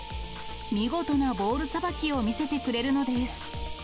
見事なボールさばきを見せてくれるのです。